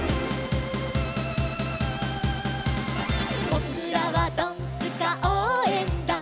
「ぼくらはドンスカおうえんだん」